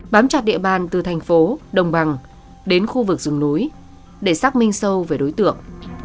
bám chặt địa bàn từ thành phố đồng bằng đến khu vực rừng núi để xác minh sâu về đối tượng